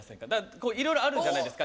いろいろあるじゃないですか。